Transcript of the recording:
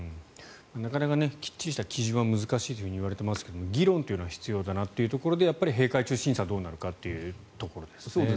なかなかきっちりした基準は難しいといわれていますが議論というのは必要だなというところで閉会中審査どうなるのかなというところですね。